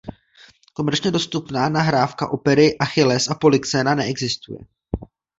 Komerčně dostupná nahrávka opery "Achilles a Polyxena" neexistuje.